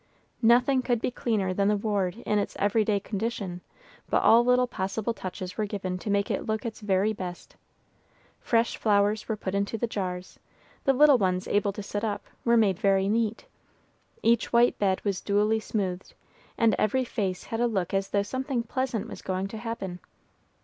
Nothing could be cleaner than the ward in its every day condition, but all little possible touches were given to make it look its very best. Fresh flowers were put into the jars, the little ones able to sit up, were made very neat, each white bed was duly smoothed, and every face had a look as though something pleasant was going to happen.